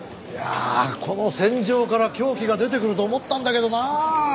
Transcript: いやあこの線上から凶器が出てくると思ったんだけどなあ。